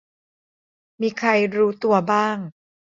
มีใครรู้ตัวบ้าง